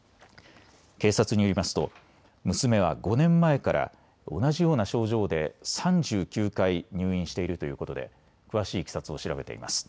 警察によりますと娘は５年前から同じような症状で３９回入院しているということで詳しいいきさつを調べています。